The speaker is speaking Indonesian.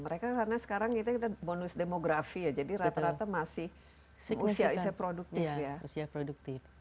mereka karena sekarang kita bonus demografi ya jadi rata rata masih usia usia produktif ya usia produktif